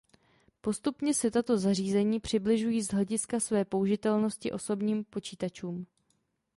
Postupně se tato zařízení přibližují z hlediska své použitelnosti osobním počítačům.